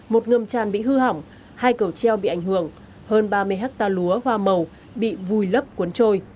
một ngâm tràn bị hư hỏng hai cầu treo bị ảnh hưởng hơn ba mươi hectare lúa hoa màu bị vùi lấp cuốn trôi